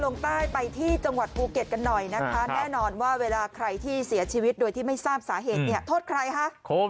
แน่นอนใครที่เสียชีวิตโดยที่ไม่ทราบสาเหตุโทษใครฮะ